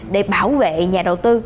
để bảo vệ nhà đầu tư